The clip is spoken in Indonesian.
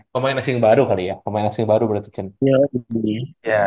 pemain asing baru kali ya pemain asing baru berarti champion